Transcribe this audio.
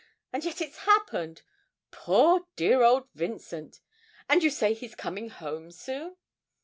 and yet it's happened poor, dear old Vincent! And did you say he is coming home soon?'